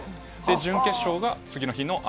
準決勝が次の日の朝、